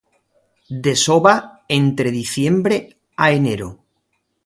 Desova entre diciembre a enero.